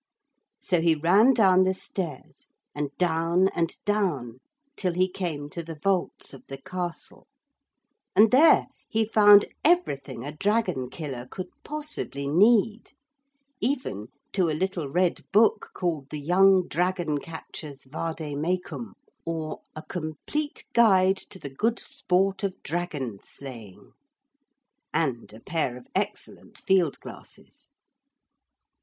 So he ran down the stairs and down and down till he came to the vaults of the castle, and there he found everything a dragon killer could possibly need, even to a little red book called the Young Dragon Catcher's Vade Mecum, or a Complete Guide to the Good Sport of Dragon Slaying; and a pair of excellent field glasses.